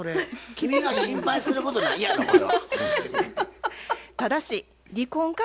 君が心配することないやろこれは。